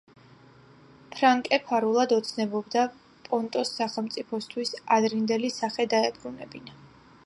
ფარნაკე ფარულად ოცნებობდა პონტოს სახელმწიფოსთვის ადრინდელი სახე დაებრუნებინა.